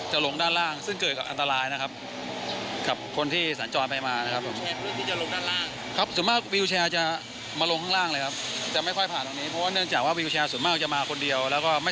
หลังจากที่พูดคุยแล้ว